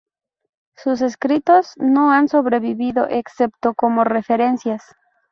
Sus escritos no han sobrevivido, excepto como referencias.